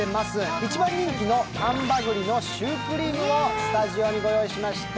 一番人気の丹波栗のシュークリームをスタジオに御用意しました。